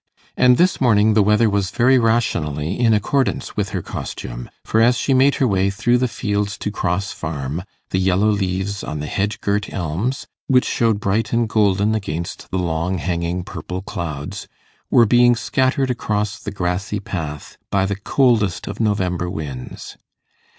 And this morning the weather was very rationally in accordance with her costume, for as she made her way through the fields to Cross Farm, the yellow leaves on the hedge girt elms, which showed bright and golden against the long hanging purple clouds, were being scattered across the grassy path by the coldest of November winds.